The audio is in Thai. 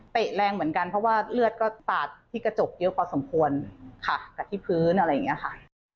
แรงเหมือนกันเพราะว่าเลือดก็สาดที่กระจกเยอะพอสมควรค่ะกับที่พื้นอะไรอย่างนี้ค่ะ